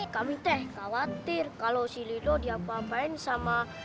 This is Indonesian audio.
kami teh khawatir kalau si lido diapa apain sama